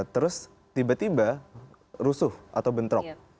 terus tiba tiba rusuh atau bentrok